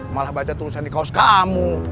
malah baca tulisan di kaos kamu